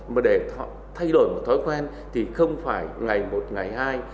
mà để thay đổi một thói quen thì không phải ngày một ngày hai